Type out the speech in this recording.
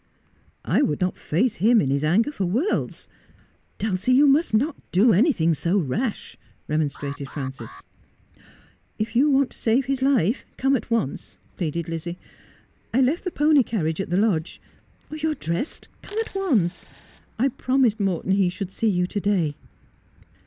' I would not face him in his anger for worlds. Dulcie, you must not do anything so rash,' remonstrated Frances. ' If you want to save his life, come at once,' pleaded Lizzie. 'I left the pony carriage at the lodge. You are dressed — come at once. I promised Morton he should see you to day.'